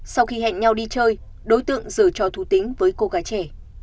sau khi hẹn nhau đi chơi đối tượng dở cho thủ tính với cô gái trẻ